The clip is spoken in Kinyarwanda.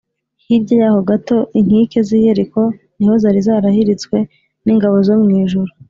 . Hirya y’aho gato, inkike z’i Yeriko niho zari zarahiritswe n’ingabo zo mw’ijuru